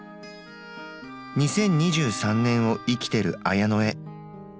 「２０２３年を生きてるあやのへ。